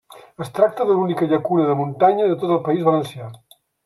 Es tracta de l'única llacuna de muntanya de tot el País Valencià.